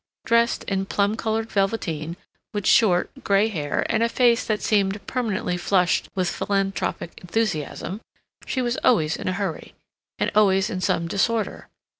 Dressed in plum colored velveteen, with short, gray hair, and a face that seemed permanently flushed with philanthropic enthusiasm, she was always in a hurry, and always in some disorder.